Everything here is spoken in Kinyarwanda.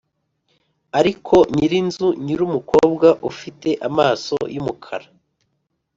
ariko nyirinzu nyirumukobwa ufite amaso yumukara,